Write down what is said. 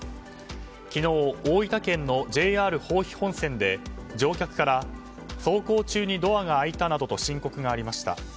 昨日、大分県のＪＲ豊肥本線で乗客から、走行中にドアが開いたなどと申告がありました。